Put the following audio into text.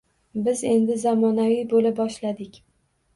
Biz endi zamonaviy bo’la boshladik.